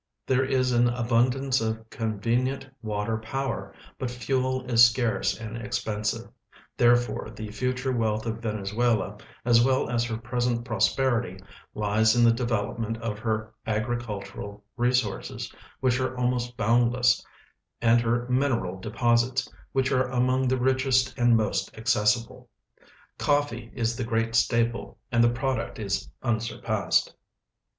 There is an abundance of conven ient water power, hut fuel is scarce and ex^jensive; therefore the future wealth of Venezuela, as well as her })resent prosi)erity, lies in the development of her agricultural resources, which are almost l)oundless, and her mineral deposits, which are among the richest and most accessible. Coffee is the great staple, and the product is unsurpassed.